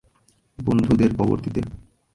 বন্ধুদের কবর দিতে।